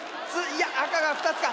いや赤が２つか？